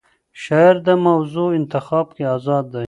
شاعر د موضوع انتخاب کې آزاد دی.